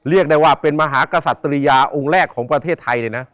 เรียกได้ว่าเป็นมหากษัตริยาองค์แรกของประเทศไทยเลยนะ